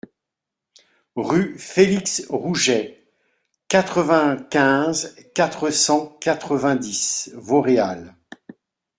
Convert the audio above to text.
Rue Felix Rouget, quatre-vingt-quinze, quatre cent quatre-vingt-dix Vauréal